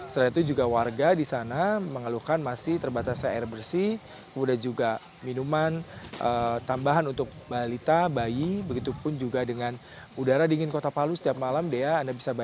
setelah itu juga warga di sana mengeluhkan masih terbatas air bersih kemudian juga minuman tambahan untuk balita bayi begitu pun juga dengan udara dingin kota palu setiap malam anda bisa bayangkan ada ribuan balita